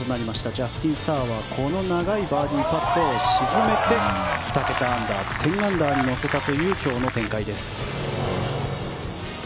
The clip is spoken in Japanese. ジャスティン・サーはこの長いバーディーパットを沈めて２桁アンダー１０アンダーに乗せたという今日の展開です。